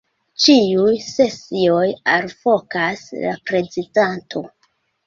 Ĉiuj sesioj alvokas la prezidanto.